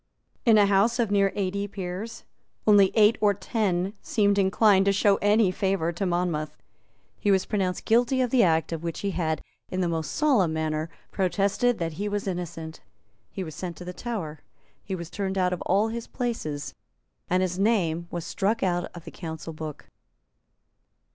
In a House of near eighty peers only eight or ten seemed inclined to show any favour to Monmouth. He was pronounced guilty of the act of which he had, in the most solemn manner, protested that he was innocent; he was sent to the Tower; he was turned out of all his places; and his name was struck out of the Council Book.